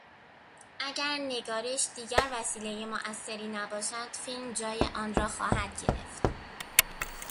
اگر نگارش دیگر وسیلهی موثری نباشد فیلم جای آن را خواهد گرفت.